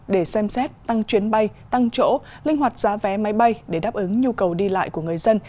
để xem xét tăng chuyến bay tăng chỗ linh hoạt giá vé máy bay để đáp ứng nhu cầu đi lại của người dân